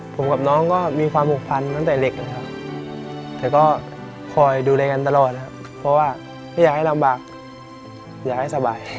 ผมกับน้องก็มีความผูกพันตั้งแต่เด็กนะครับแต่ก็คอยดูแลกันตลอดนะครับเพราะว่าไม่อยากให้ลำบากอยากให้สบาย